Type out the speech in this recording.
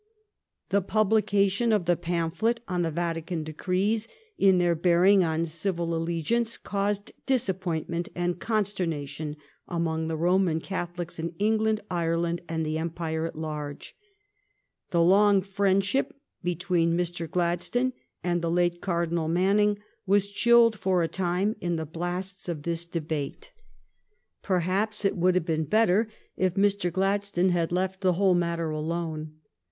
The publication of the pamphlet on the Vatican Decrees in their bearing on civil allegiance caused disappointment and con sternation among the Roman Catholics in Eng land, Ireland, and the Empire at large. The long friendship between Mr. Gladstone and the late Cardinal Manning was chilled for a time in the blasts of this debate. HENHV KUWARB, Cardinal Mannin (Elliott &fTy, London) GLADSTONE IN RETIREMENT 313 Perhaps it would have been better if Mr. Glad stone had left the whole matter alone.